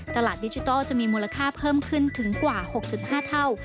ดิจิทัลจะมีมูลค่าเพิ่มขึ้นถึงกว่า๖๕เท่า